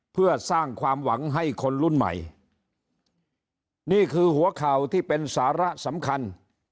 เพื่อสร้างความหวังให้คนรุ่นใหม่นี่คือหัวข่าวที่เป็นสาระสำคัญ